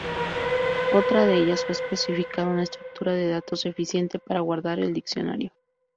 Otra de ellas fue especificar una estructura de datos eficiente para guardar el diccionario.